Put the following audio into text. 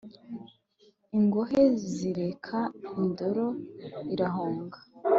ingohe zireka indoro irahonga